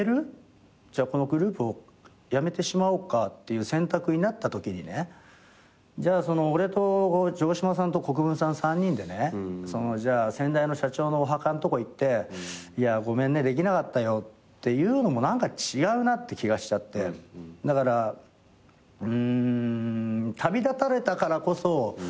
「じゃあこのグループをやめてしまおうか？」っていう選択になったときにねじゃあ俺と城島さんと国分さん３人でね先代の社長のお墓のとこ行ってごめんねできなかったよっていうのも何か違うなって気がしちゃってだから旅立たれたからこそ何ていうのかな？